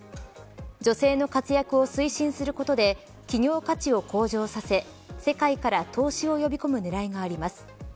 女性の活躍を推進することで企業価値を向上させ世界から投資を呼び込む狙いがあります。